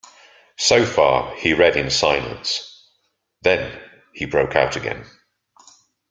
So far, he read in silence; then he broke out again.